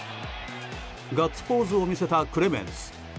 ガッツポーズを見せたクレメンス。